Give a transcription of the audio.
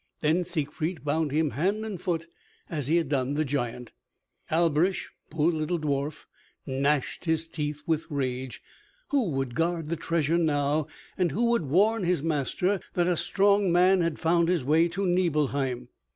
Then Siegfried bound him hand and foot as he had done the giant. Alberich, poor little dwarf, gnashed his teeth with rage. Who would guard the treasure now, and who would warn his master that a strong man had found his way to Nibelheim?